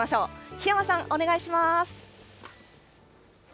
檜山さん、お願いします。